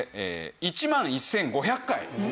１万１５００。